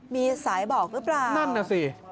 มีสายบอกหรือเปล่านั่นน่ะสิ